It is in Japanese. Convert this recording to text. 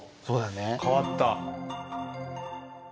変わった。